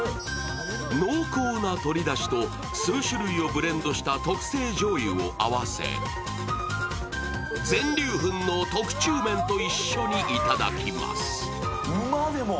濃厚な鶏だしと数種類をブレンドした特製しょうゆを合わせ、全粒粉の特注麺と一緒にいただきます。